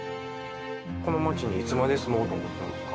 この街にいつまで住もうと思ってますか？